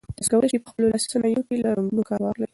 تاسي کولای شئ په خپلو لاسي صنایعو کې له رنګونو کار واخلئ.